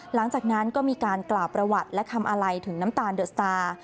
หลังจากนั้นก็มีการกล่าวประวัติและคำอาลัยถึงน้ำตาลเดอะสตาร์